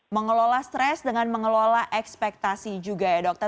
mengelola stres dengan mengelola ekspektasi juga ya dokter